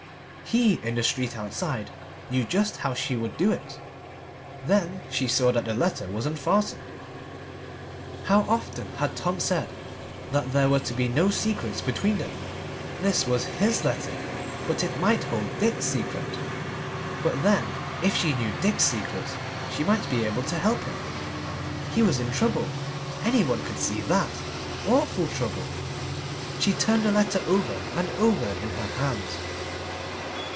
He, in the street outside, knew just how she would do it. Then she saw that the letter was unfastened. How often had Tom said that there were to be no secrets between them! This was his letter. But it might hold Dick's secrets. But then, if she knew Dick's secrets she might be able to help him. He was in trouble anyone could see that awful trouble. She turned the letter over and over in her hands.